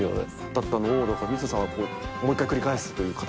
だったのを水野さんはもう１回繰り返すという形に。